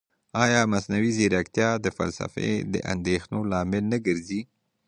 ایا مصنوعي ځیرکتیا د فلسفي اندېښنو لامل نه ګرځي؟